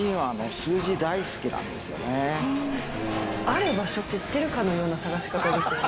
ある場所知ってるかのような探し方ですよね。